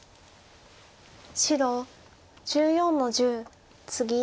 白１４の十ツギ。